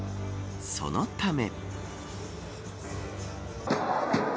そのため。